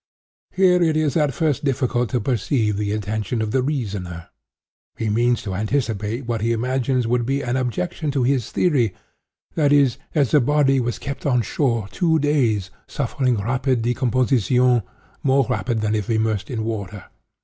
Here it is at first difficult to perceive the intention of the reasoner. He means to anticipate what he imagines would be an objection to his theory—viz.: that the body was kept on shore two days, suffering rapid decomposition—more rapid than if immersed in water.